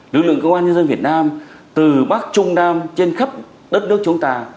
lực lượng công an nhân dân việt nam từ bắc trung nam trên khắp đất nước chúng ta